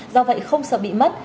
do vậy không sợ bị mất